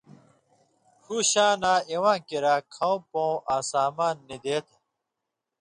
ݜُو شاناں اِواں کِریا کھؤں پوں آں سامان نیۡ دے تھہ۔